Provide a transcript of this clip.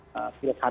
bukan dari anggaran